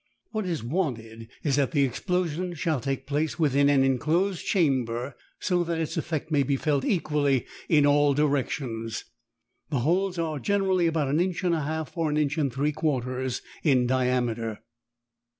What is wanted is that the explosion shall take place within an enclosed chamber so that its effect may be felt equally in all directions. The holes are generally about an inch and a half or an inch and three quarters in diameter.